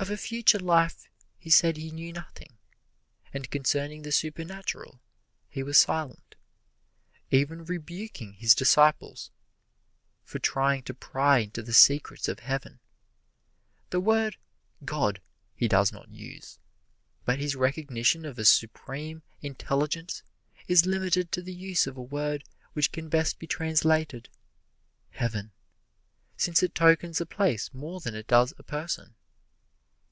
Of a future life he said he knew nothing, and concerning the supernatural he was silent, even rebuking his disciples for trying to pry into the secrets of Heaven. The word "God" he does not use, but his recognition of a Supreme Intelligence is limited to the use of a word which can best be translated "Heaven," since it tokens a place more than it does a person.